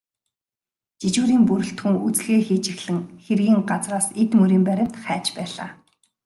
Жижүүрийн бүрэлдэхүүн үзлэгээ хийж эхлэн хэргийн газраас эд мөрийн баримт хайж байлаа.